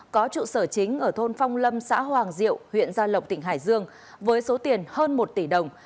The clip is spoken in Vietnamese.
có trụ sở chính ở thôn phong lâm xã hoàng diệu huyện gia lộc tỉnh hải dương với số tiền hơn một tỷ đồng